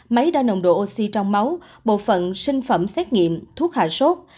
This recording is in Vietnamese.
máy đo nồng độ oxy trong máu bộ phận sinh phẩm xét nghiệm thuốc hạ sốt